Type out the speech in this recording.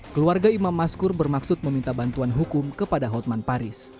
keluarga imam maskur bermaksud meminta bantuan hukum kepada hotman paris